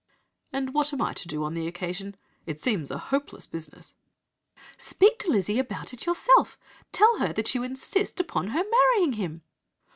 "'And what am I to do on the occasion? It seems a hopeless business.' "'Speak to Lizzy about if yourself. Tell her that you insist upon her marrying him.'